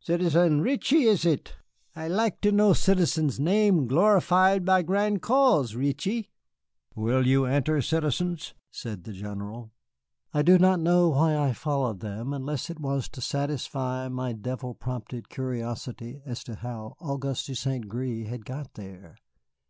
"Citizen Reetchie, is it? I laik to know citizen's name glorified by gran' cause. Reetchie?" "Will you enter, citizens?" said the General. I do not know why I followed them unless it were to satisfy a devil prompted curiosity as to how Auguste de St. Gré had got there.